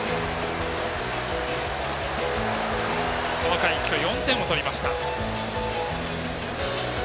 この回、一挙４点を取りました。